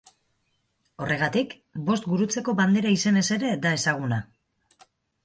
Horregatik, Bost Gurutzeko bandera izenez ere da ezaguna.